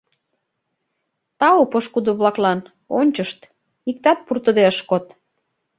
Тау пошкудо-влаклан, ончышт: иктат пуртыде ыш код.